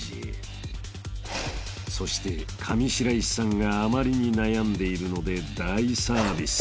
［そして上白石さんがあまりに悩んでいるので大サービス］